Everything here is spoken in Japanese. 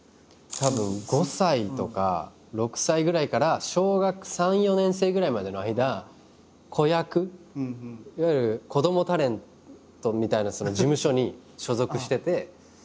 たぶん５歳とか６歳ぐらいから小学３４年生ぐらいまでの間子役いわゆる子どもタレントみたいな事務所に所属してて。